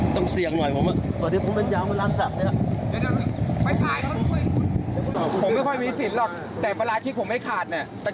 ตอนนี้ลูกพี่ตกใจหมดแล้ว